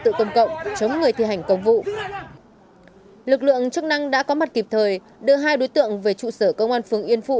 lực lượng chức năng đã có mặt kịp thời đưa hai đối tượng về trụ sở công an phường yên phụ